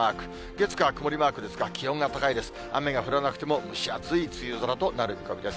月、火、曇りマークですが、気温が高いです。